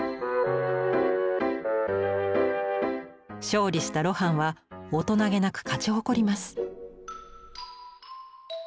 勝利した露伴は大人げなく勝ち誇ります